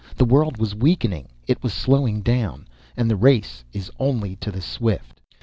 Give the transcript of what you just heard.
The world was weakening. It was slowing down, and the race is only to the swift.